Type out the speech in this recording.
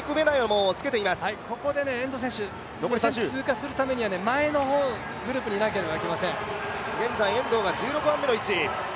ここで遠藤選手、通過するためには前の方のグループにいなければいけません。